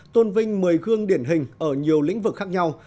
tôn vinh một mươi gương điển hình ở nhiều lĩnh vực khác nhau